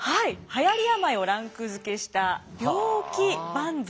はやり病をランク付けした病気番付。